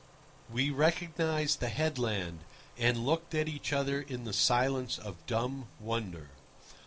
We recognised the headland, and looked at each other in the silence of dumb wonder.